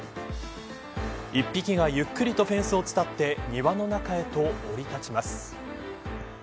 １匹がゆっくりとフェンスをつたって庭の中へと降り立ちます。